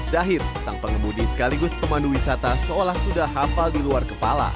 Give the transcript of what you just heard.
zahid sang pengemudi sekaligus pemandu wisata seolah sudah hafal di luar kepala